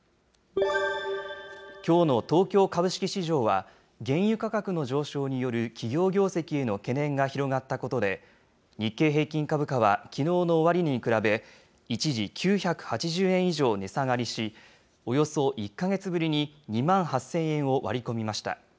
きょうの東京株式市場は原油価格の上昇による企業業績への懸念が広がったことで、日経平均株価は、きのうの終値に比べ、一時９８０円以上値下がりし、およそ１か月ぶりに２万８０００円を割り込みました。